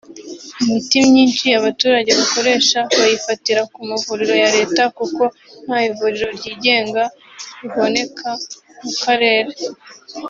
Imiti myinshi abaturage bakoresha bayifatira ku mavuriro ya Leta kuko nta n’ivuriro ryigenga riboneka mu karere